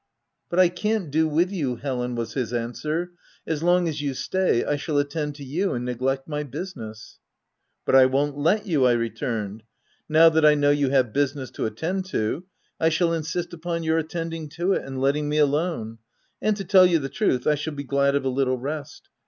" But I can't do with you, Helen/' was his answer : u as long as you stay, I shall attend to you and neglect my business. n * But I won't let you," 1 returned : a now that I know you have business to attend to, I shall insist upon your attending to it, and letting me alone — and, to tell you the truth, I shall be glad of a little rest.